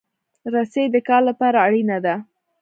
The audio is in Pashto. رسۍ د کار لپاره اړینه ده.